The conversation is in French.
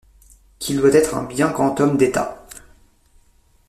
qu’il doit être un bien grand homme d’État.